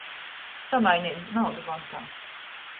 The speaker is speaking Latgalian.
Samaineit naudu bankā.